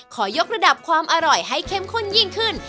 ขอยกระดับความอร่อยให้เข้มข้นยิ่งขึ้น